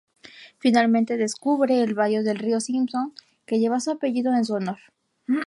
Finalmente descubre el valle del río Simpson, que lleva su apellido en su honor.